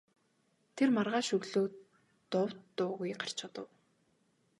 Тэр маргааш өглөө нь дув дуугүй гарч одов.